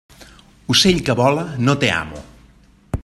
Ocell que vola, no té amo.